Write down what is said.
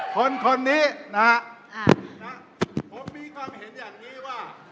คนนี้นะฮะผมมีความเห็นอย่างนี้ว่า